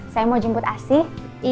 saya mau jemput asih